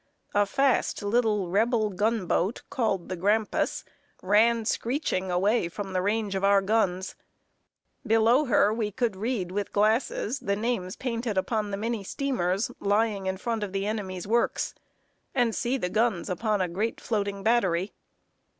A fast little Rebel gunboat, called the Grampus, ran screeching away from the range of our guns. Below her we could read with glasses the names painted upon the many steamers lying in front of the enemy's works, and see the guns upon a great floating battery.